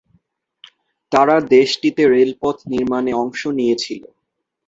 তারা দেশটিতে রেলপথ নির্মাণে অংশ নিয়েছিল।